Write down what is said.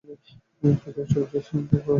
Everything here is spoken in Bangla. চৌদ্দ বছর বয়সে সে হাতে প্রথম ছুরি নিয়েছিলো।